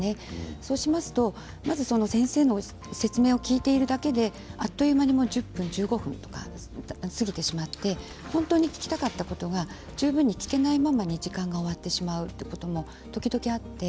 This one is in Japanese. そうしますと先生の説明を聞いているだけであっという間に１０分、１５分が過ぎてしまって本当に聞きたかったことが十分に聞けないままに終わってしまうということも時々あります。